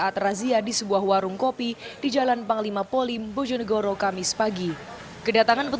tidak tidak tidak